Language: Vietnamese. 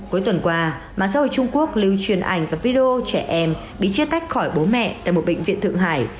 cuối tuần qua mạng xã hội trung quốc lưu truyền ảnh và video trẻ em bị chia tách khỏi bố mẹ tại một bệnh viện thượng hải